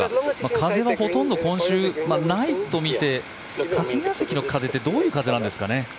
風はほとんど今週はないとみて霞ヶ関の風ってどういう風なんですかね。